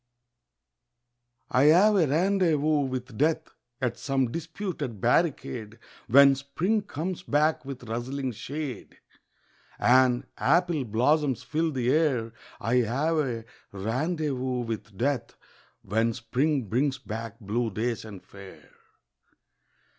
. I have a rendezvous with Death At some disputed barricade, When Spring comes back with rustling shade And apple blossoms fill the air I have a rendezvous with Death When Spring brings back blue days and fair.